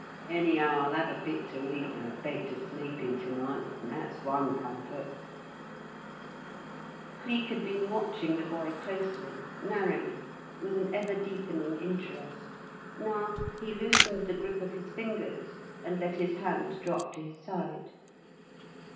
Any'ow, I'll 'ave a bit to eat and a bed to sleep in to night, and that's one comfort " Cleek had been watching the boy closely, narrowly, with an ever deepening interest; now he loosened the grip of his fingers and let his hand drop to his side.